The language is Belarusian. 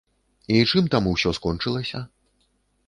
І чым там усё скончылася?